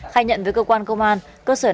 khai nhận với cơ quan công an cơ sở